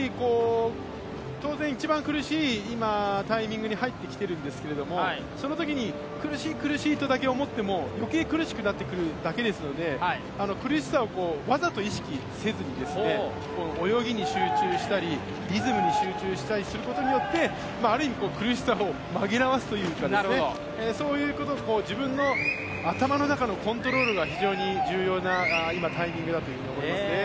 当然、今、一番苦しいタイミングに入ってきているんですけど、そのときに苦しい、苦しいとだけ思っても余計苦しくなってくるだけですので苦しさをわざと意識せずに泳ぎに集中したり、リズムに集中したりすることによってある意味、苦しさを紛らわすというか、自分の頭の中のコントロールが非常に重要な今、タイミングだと思いますね。